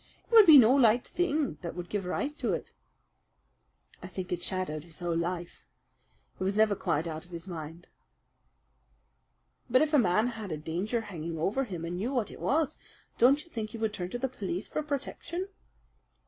It would be no light thing that would give rise to it." "I think it shadowed his whole life. It was never quite out of his mind." "But if a man had a danger hanging over him, and knew what it was, don't you think he would turn to the police for protection?"